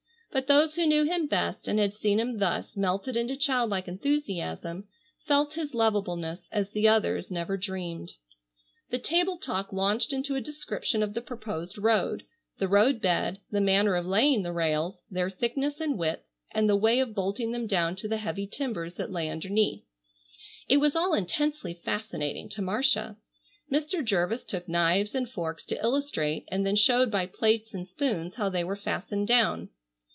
But those who knew him best and had seen him thus melted into child like enthusiasm, felt his lovableness as the others never dreamed. The table talk launched into a description of the proposed road, the road bed, the manner of laying the rails, their thickness and width, and the way of bolting them down to the heavy timbers that lay underneath. It was all intensely fascinating to Marcia. Mr. Jervis took knives and forks to illustrate and then showed by plates and spoons how they were fastened down.